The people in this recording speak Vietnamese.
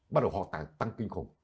bắt đầu ho tăng kinh khủng